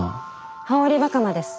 羽織袴です。